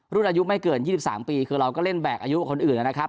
รุ่นอายุไม่เกิน๒๓ปีคือเราก็เล่นแบกอายุคนอื่นนะครับ